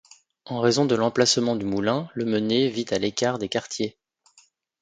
En raison de l'emplacement du moulin, le meunier vit à l'écart des quartiers.